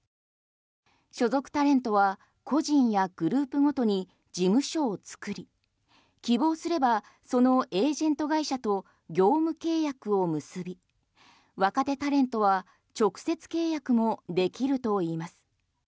所属タレントは個人やグループごとに事務所を作り、希望すればそのエージェント会社と業務契約を結び若手タレントは直接契約もできるといいます。